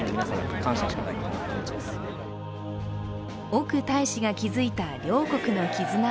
奥大使が築いた両国の絆。